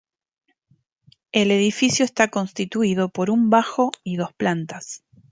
El edificio está constituido por un bajo y dos plantas.